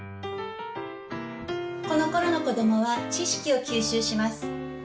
このころの子どもは知識を吸収します。